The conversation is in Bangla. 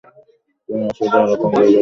তুমি আসলেই এরকম জায়গায় থাকো?